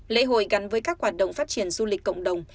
lễ hội gắn với các hoạt động phát triển du lịch cộng đồng